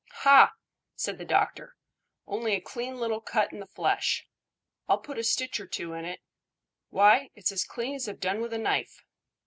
"Hah!" sighed the doctor. "Only a clean little cut in the flesh. I'll put a stitch or two in it. Why, it's as clean as if done with a knife."